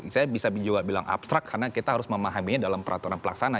saya bisa juga bilang abstrak karena kita harus memahaminya dalam peraturan pelaksana